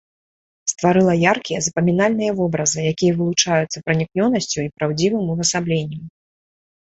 Стварыла яркія запамінальныя вобразы, якія вылучаюцца пранікнёнасцю і праўдзівым увасабленнем.